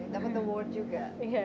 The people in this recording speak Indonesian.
dapat award juga